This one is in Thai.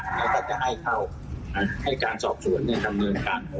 แล้วก็จะให้เข้าให้การสอบสวนดำเนินการ